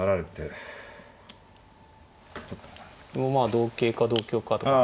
まあ同桂か同香かとか。